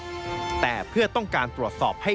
ตำรวจทั้ง๔หน่ายจึงต้องการพบและพูดคุยกับนายธนอมศักดิ์